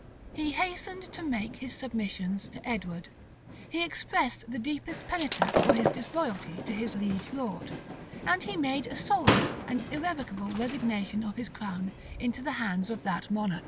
He hastened to make his submissions to Edward, he expressed the deepest penitence for his disloyalty to his liege lord; and he made a solemn and irrevocable resignation of his crown into the hands of that monarch.